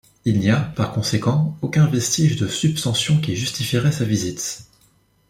Il n'y a, par conséquent, aucun vestige de Substantion qui justifierait sa visite.